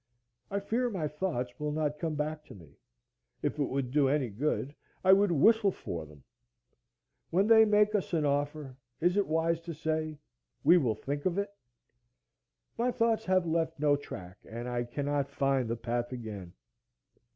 I fear my thoughts will not come back to me. If it would do any good, I would whistle for them. When they make us an offer, is it wise to say, We will think of it? My thoughts have left no track, and I cannot find the path again.